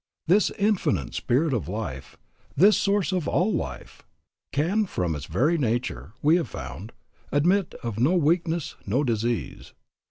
This Infinite Spirit of Life, this Source of all Life, can from its very nature, we have found, admit of no weakness, no disease.